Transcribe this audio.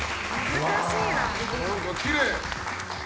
何かきれい。